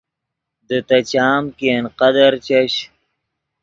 دے تے چام کہ ین قدر چش